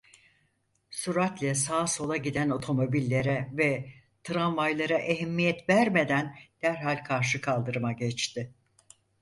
Süratle sağa sola giden otomobillere ve tramvaylara ehemmiyet vermeden derhal karşı kaldırıma geçti.